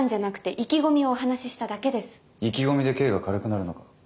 意気込みで刑が軽くなるのか？